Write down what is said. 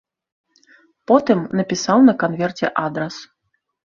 Потым напісаў на канверце адрас.